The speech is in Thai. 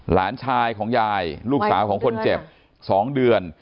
หลานชายของยายลูกสาวของคนเจ็บ๒เดือน